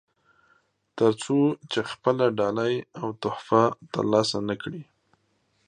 تر څو چې خپله ډالۍ او تحفه ترلاسه نه کړي.